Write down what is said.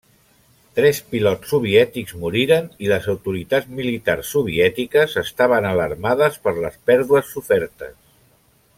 Tres pilots soviètics moriren i les autoritats militars soviètiques estaven alarmades per les pèrdues sofertes.